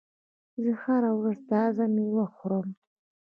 زه هره ورځ تازه میوه خورم.